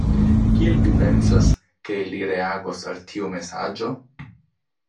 Kiel vi pensas, ke li reagos al tiu mesaĝo?